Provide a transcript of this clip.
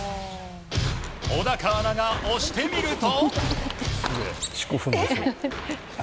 小高アナが押してみると。